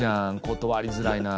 断りづらいな。